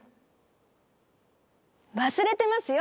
忘れてますよ